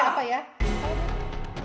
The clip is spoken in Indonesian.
gak tau orang capek apa ya